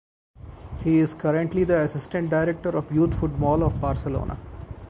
He is currently the assistant director of youth football of Barcelona.